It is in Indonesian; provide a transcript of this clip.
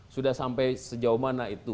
sudah sampai sejauh mana itu